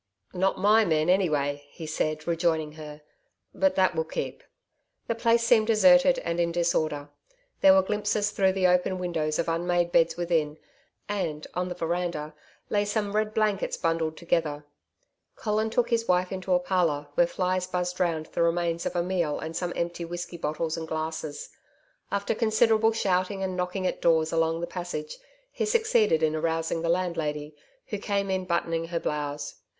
'Not my men, anyway,' he said, rejoining her. 'But that will keep.' The place seemed deserted and in disorder. There were glimpses through the open windows of unmade beds within, and, on the veranda, lay some red blankets bundled together. Colin took his wife into a parlour, where flies buzzed round the remains of a meal and some empty whisky bottles and glasses. After considerable shouting and knocking at doors along the passage, he succeeded in arousing the landlady, who came in, buttoning her blouse.